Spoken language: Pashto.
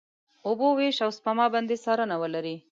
اوبو وېش، او سپما باندې څارنه ولري.